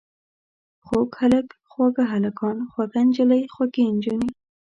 خوږ هلک، خواږه هلکان، خوږه نجلۍ، خوږې نجونې.